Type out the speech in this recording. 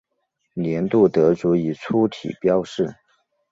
年度得主以粗体标示。